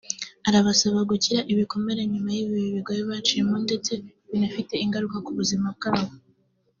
arabasaba gukira ibikomere nyuma y’ibihe bigoye baciyemo ndetse binafite ingaruka ku buzima bwabo